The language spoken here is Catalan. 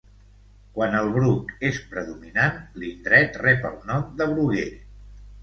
Quan el bruc és predominant l'indret rep el nom de bruguer